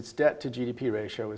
ratus uang untuk gdp sangat rendah